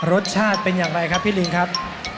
รสชาติเป็นอย่างไรครับพี่ลิงครับ